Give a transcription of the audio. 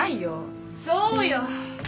そうよ。